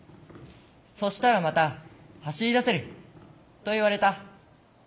そしたらまた走りだせる」と言われた。